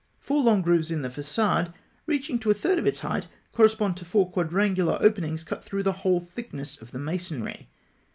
Four long grooves in the façade, reaching to a third of its height, correspond to four quadrangular openings cut through. the whole thickness of the masonry.